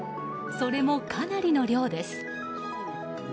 それもかなりの量です。